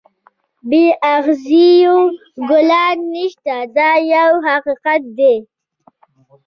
بې اغزیو ګلان نشته دا یو حقیقت دی.